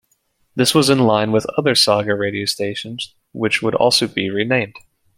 This was in line with other Saga radio stations which would also be renamed.